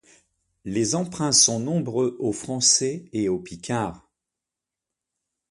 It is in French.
Les emprunts sont nombreux au français et au picard.